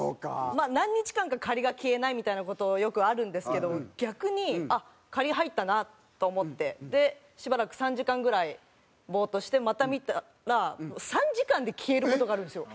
まあ何日間かが消えないみたいな事よくあるんですけど逆に入ったなと思ってしばらく３時間ぐらいボーッとしてまた見たら３時間で消える事があるんですよ。